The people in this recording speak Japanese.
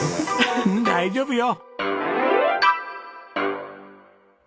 大丈夫よ。